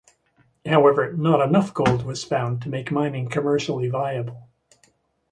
However, not enough gold was found to make mining commercially viable.